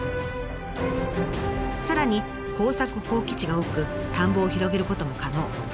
さらに耕作放棄地が多く田んぼを広げることも可能。